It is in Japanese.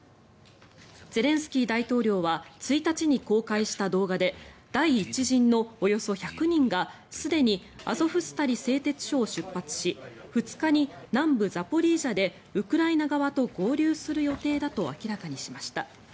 ゼレンスキー大統領は１日に公開した動画で第１陣のおよそ１００人がすでにアゾフスタリ製鉄所を出発し２日に南部ザポリージャでウクライナ側と合流する予定だと明らかにしました。